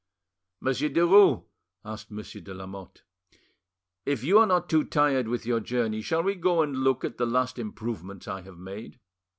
"Monsieur Derues;" asked Monsieur de Lamatte, "if you are not too tired with your journey, shall we go and look at the last improvements I have made?